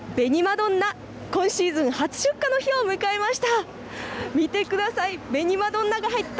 どんな、今シーズン初出荷の日を迎えました。